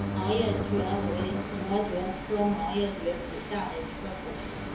毛叶蕨为膜蕨科毛叶蕨属下的一个种。